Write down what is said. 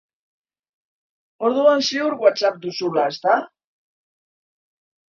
Orduan ziur Whatsapp-a duzula, ezta?